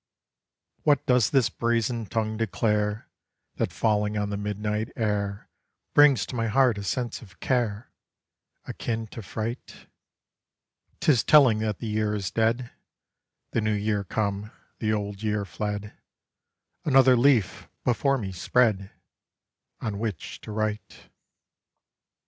What does this brazen tongue declare, That falling on the midnight air Brings to my heart a sense of care Akin to fright? 'Tis telling that the year is dead, The New Year come, the Old Year fled, Another leaf before me spread On which to write.